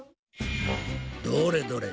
どれどれ。